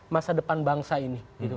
masa depan bangsa ini